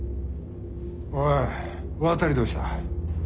おい渡どうした？